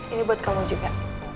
ini buat kamu juga